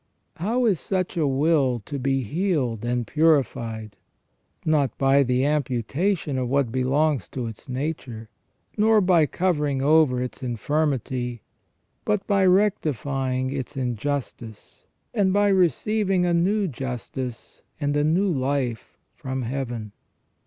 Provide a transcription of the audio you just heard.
How is such a will to be healed and purified ? Not by the amputation of what belongs to its nature, nor by covering over its infirmity ; but by rectifying its injustice, and by receiving a new justice and a new life from heaven.